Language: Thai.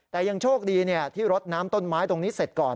แต่ยังโชคดีที่รดน้ำต้นไม้ตรงนี้เสร็จก่อน